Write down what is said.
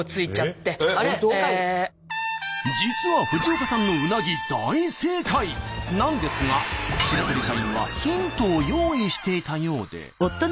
実は藤岡さんの「うなぎ」大正解なんですが白鳥社員はヒントを用意していたようで。